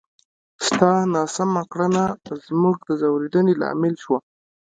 ستا ناسمه کړنه زموږ د ځورېدنې لامل شوه!